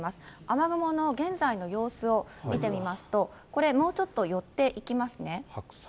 雨雲の現在の様子を見てみますと、これ、もうちょっと寄っていきますね。